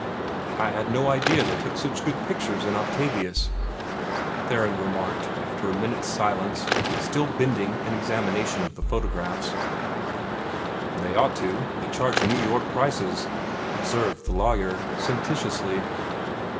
"I had no idea that they took such good pictures in Octavius," Theron remarked after a minute's silence, still bending in examination of the photographs. "They ought to; they charge New York prices," observed the lawyer, sententiously.